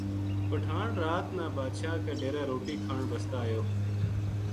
پٹھان رات نا بادشاہ کے ڈیرے روٹی کھان بسطے ایو